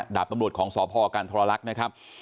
ดาบตำรวจของสพกันทรลักษณ์นะครับ